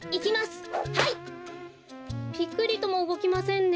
ぴくりともうごきませんね。